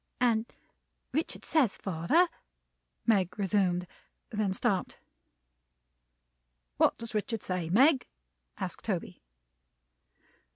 "And Richard says, father " Meg resumed. Then stopped. "What does Richard say, Meg?" asked Toby.